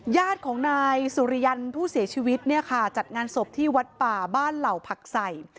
ญาติของนายสุริยันทร์ผู้เสียชีวิตเนี่ยค่ะจัดงานศพที่วัดป่าบ้านเหล่าผักใส่